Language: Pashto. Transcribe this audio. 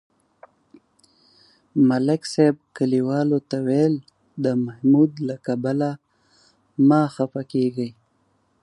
ملک صاحب کلیوالو ته ویل: د محمود له کبله مه خپه کېږئ.